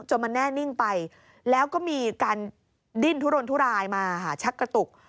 มันแน่นิ่งไปแล้วก็มีการดิ้นทุรนทุรายมาชักกระตุก